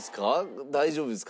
大丈夫ですか？